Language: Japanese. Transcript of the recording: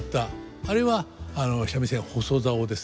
あれは三味線細棹ですね。